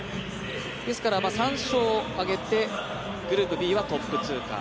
ですから、３勝を挙げてグループではトップ通過。